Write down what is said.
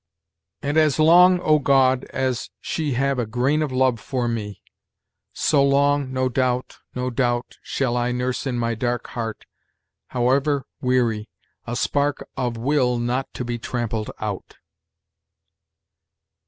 "'And as long, O God, as she Have a grain of love for me, So long, no doubt, no doubt, Shall I nurse in my dark heart, However weary, a spark of will Not to be trampled out.'